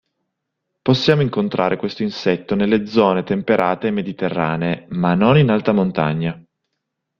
Possiamo incontrare questo insetto nelle zone temperate e mediterranee, ma non in alta montagna.